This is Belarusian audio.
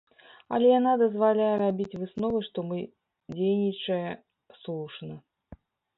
Але яна дазваляе рабіць высновы, што мы дзейнічае слушна.